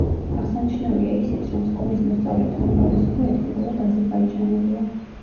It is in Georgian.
აღსანიშნავია ისიც, რომ სკოლის მოსწავლეთა უმრავლესობა ეთნიკურად აზერბაიჯანელია.